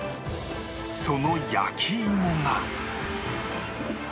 その焼き芋が